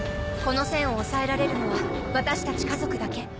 この栓を押さえられるのはワタシたち家族だけ。